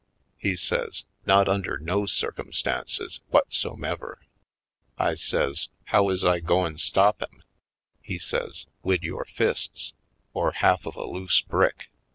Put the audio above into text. He says : "Not under no circumstances whutsom ever." I says: "How is I goin' stop him?" He says: "Wid yore fists. Or half of a loose brick.